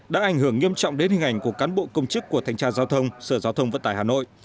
đã ảnh hưởng nghiêm trọng đến hình ảnh của cán bộ công chức của thanh tra giao thông sở giao thông vận tải hà nội